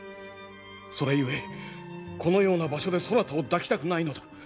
それゆえこのような場所でそなたを抱きたくないのだ。